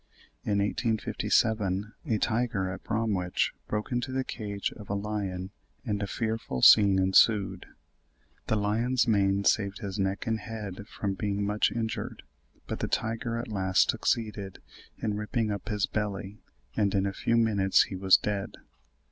In 1857 a tiger at Bromwich broke into the cage of a lion and a fearful scene ensued: "the lion's mane saved his neck and head from being much injured, but the tiger at last succeeded in ripping up his belly, and in a few minutes he was dead."